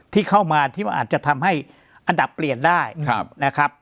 ที่เข้ามาที่มันอาจจะทำให้อันดับเปลี่ยนได้นะครับ